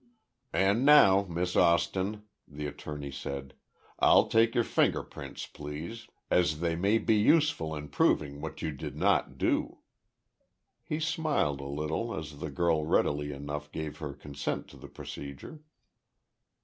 "And, now, Miss Austin," the attorney said, "I'll take your finger prints, please, as they may be useful in proving what you did not do." He smiled a little as the girl readily enough gave her consent to the procedure.